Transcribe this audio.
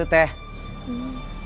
jadi dia ngelakuin teror